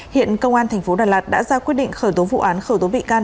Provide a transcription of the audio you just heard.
hiện công an thành phố đà lạt đã ra quyết định khởi tố vụ án khởi tố bị can